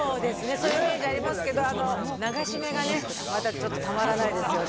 そういうイメージありますけど流し目がねまたちょっとたまらないですよね